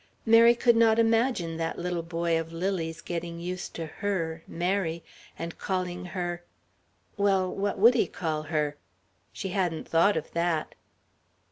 Mary could not imagine that little boy of Lily's getting used to her Mary and calling her well, what would he call her? She hadn't thought of that....